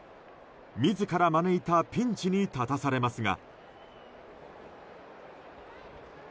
自ら招いたピンチに立たされますが。